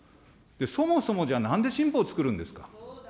そもそも、じゃあなんで新法つくるんですか。